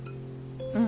うん。